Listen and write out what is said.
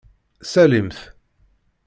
Salim-t.